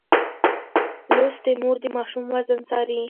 لوستې مور د ماشوم وزن څاري.